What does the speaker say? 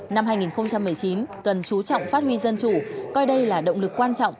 năm hai nghìn một mươi chín cần chú trọng phát huy dân chủ coi đây là động lực quan trọng